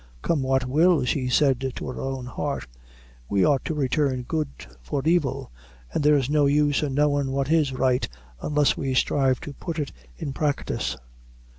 "Come what will," she said to her own heart; "we ought to return good for evil; an' there's no use in knowing what is right, unless we strive to put it in practice.